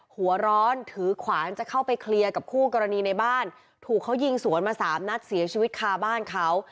หัวร้อนถือขวานจะเข้าไปเคลียร์กับคู่กรณีในบ้านถูกเขายิงสวนมาสามนัดเสียชีวิตคาบ้านเขา